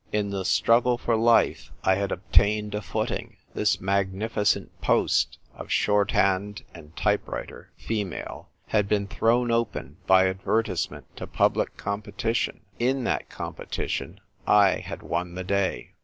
In the Struggle for Life I had obtained a footing. This magnificent post of Shorthand and Type writer(female) had been thrown open by adver tisement to public competition. In that compe tition I had won the day.